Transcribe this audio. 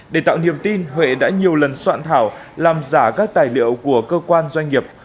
để tạo niềm tin huệ đã nhiều lần soạn thảo làm giả các tài liệu của cơ quan doanh nghiệp